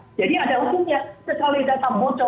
sekali data bocor itu akan selalu bocor